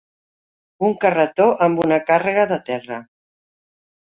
Un carretó amb una càrrega de terra.